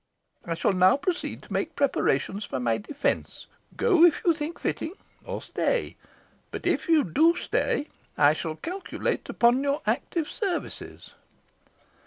I shall now proceed to make preparations for my defence. Go, if you think fitting or stay but if you do stay, I shall calculate upon your active services."